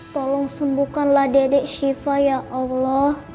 tolong sembuhkanlah dedek syifa ya allah